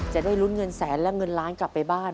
จะได้ลุ้นเงินแสนและเงินล้านกลับไปบ้าน